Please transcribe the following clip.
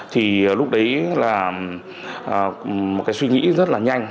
thì lúc đấy là một cái suy nghĩ rất là nhanh